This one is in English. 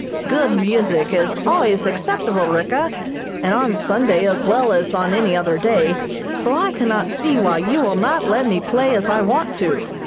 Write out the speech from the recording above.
"Good music is always acceptable, Ricka, and on Sunday as well as on any other day, so I cannot see why you will not let me play as I want to.